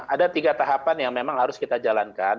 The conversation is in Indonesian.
ada tiga tahapan yang memang harus kita jalankan